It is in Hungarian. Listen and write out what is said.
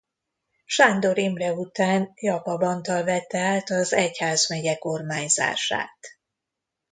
Sándor Imre után Jakab Antal vette át az egyházmegye kormányzását.